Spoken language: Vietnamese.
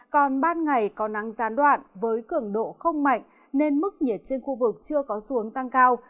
còn ban ngày có nắng gián đoạn với cường độ không mạnh nên mức nhiệt trên khu vực chưa có xuống tăng cao